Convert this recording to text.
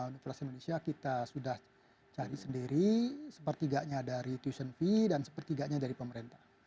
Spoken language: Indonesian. universitas indonesia kita sudah cari sendiri sepertiganya dari tution fee dan sepertiganya dari pemerintah